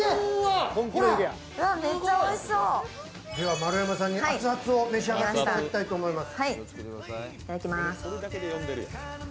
丸山さんに熱々を召し上がっていただきたいと思います。